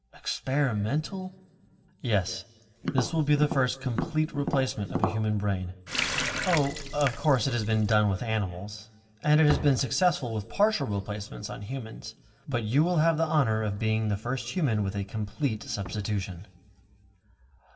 "Experimental!" "Yes, this will be the first complete replacement of a human brain. Oh, of course it has been done with animals, and it has been successful with partial replacements on humans. But you will have the honor of being the first human with a complete substitution."